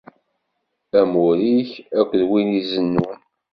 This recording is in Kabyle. Amur-ik, akked wid izennun.